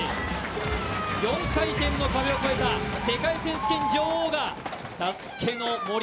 ４回転の壁を越えた世界選手権女王女王がＳＡＳＵＫＥの杜